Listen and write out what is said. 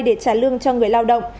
để trả lương cho người lao động